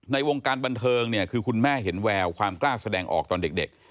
ในวงการบันเทิงเนี่ยคือคุณแม่เห็นแววความกล้าแสดงออกตอนเด็ก